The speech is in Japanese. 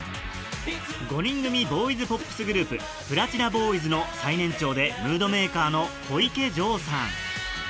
５人組ボーイズポップスグループプラチナボーイズの最年長でムードメーカーの小池成さん